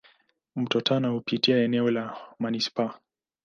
Mto Tana hupitia eneo la manispaa.